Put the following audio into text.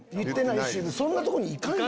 そんなとこにいかんやん。